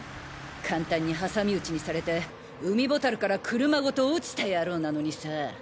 簡単に挟み撃ちにされて海ボタルから車ごと落ちた野郎なのにさぁ。